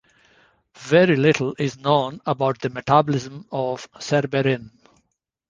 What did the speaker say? Very little is known about the metabolism of cerberin.